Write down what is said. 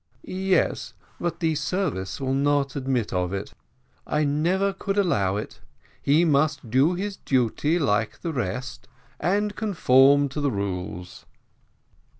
"Yes, but the service will not admit of it. I never could allow it he must do his duty like the rest, and conform to the rules."